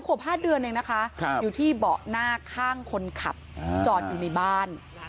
ขวบ๕เดือนเองนะคะอยู่ที่เบาะหน้าข้างคนขับจอดอยู่ในบ้าน